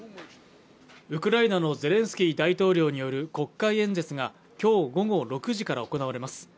ウクライナのゼレンスキー大統領による国会演説が今日午後６時から行われます